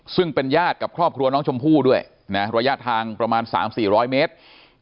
ซึ่งเป็นญาติกับครอบครัวน้องชมพู่ด้วยนะระยะทางประมาณ๓๔๐๐เมตร